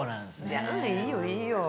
じゃあいいよいいよ。